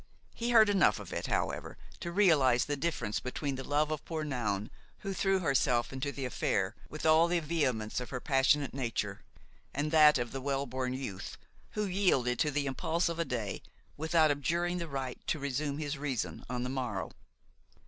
He heard enough of it, however, to realize the difference between the love of poor Noun, who threw herself into the affair with all the vehemence of her passionate nature, and that of the well born youth, who yielded to the impulse of a day without abjuring the right to resume his reason on the morrow.